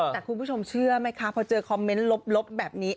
แต่คุณผู้ชมเชื่อไหมคะพอเจอคอมเมนต์ลบแบบนี้